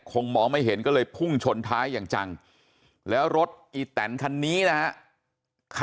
มองไม่เห็นก็เลยพุ่งชนท้ายอย่างจังแล้วรถอีแตนคันนี้นะฮะ